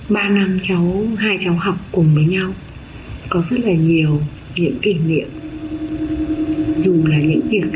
ba năm hai cháu học cùng với nhau có rất nhiều niềm kỷ niệm